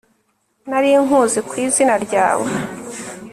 nari nkuzi ku izina ryawe